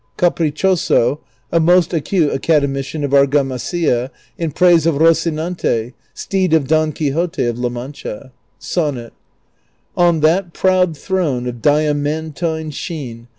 C'APKICIIOSO, a most ACUTK ACADEMICIAN OF AkcJAMASILLA, IN Praise ok Rocinante, Steed of Dox Quixote of La jNIaxcha. ■ sonnet. On that proud throne ^ of diamantine sheen.